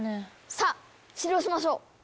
さあ治療しましょう。